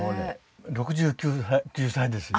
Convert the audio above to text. ６９歳ですよ。